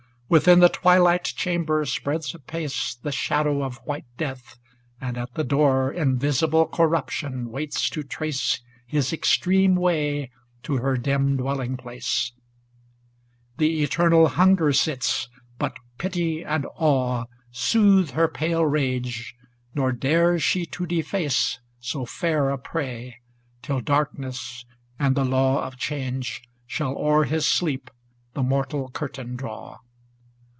Within the twilight chamber spreads apace The shadow of white Death, and at the door Invisible Corruption waits to trace His extreme way to her dim dwelling place ; The eternal Hunger sits, but pity and awe Soothe her pale rage, nor dares she to deface So fair a prey, till darkness and the law Of change shall o'er his sleep the mortal curtain draw.